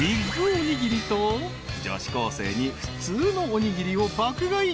［Ｂｉｇおにぎりと女子高生に普通のおにぎりを爆買い］